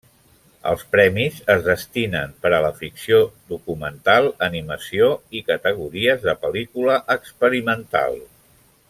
Els premis es destinen per a la ficció, documental, animació i categories de pel·lícula experimental.